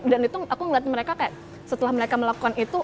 dan itu aku ngeliat mereka kayak setelah mereka melakukan itu